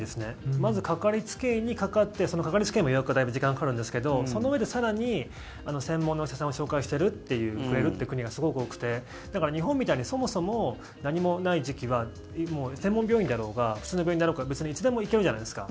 まずかかりつけ医に行ってそのかかりつけ医も予約、時間がかかるんですがそのうえで更に専門のお医者さんを紹介してくれる国がすごく多くてだから日本みたいにそもそも何もない時期でも専門病院であろうが普通の病院であろうがいつでも行けるじゃないですか。